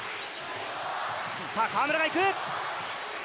河村がいく。